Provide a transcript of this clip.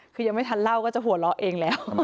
คือยังไม่ทันเล่าก็จะหัวเราะเองแล้ว